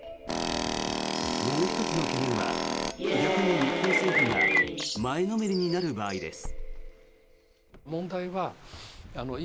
もう１つの懸念は逆に日本政府が前のめりになる場合です。